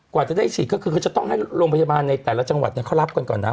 กว่าจะได้ฉีดก็คือเขาจะต้องให้โรงพยาบาลในแต่ละจังหวัดเขารับกันก่อนนะ